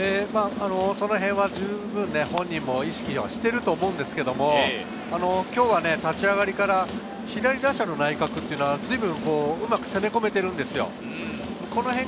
そのへんはじゅうぶん本人も意識はしていると思うんですけれど、今日は立ち上がりから左打者の内角が随分うまく攻め込めているんですよ。